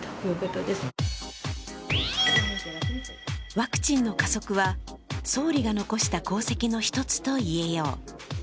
ワクチンの加速は総理が残した功績の１つといえよう。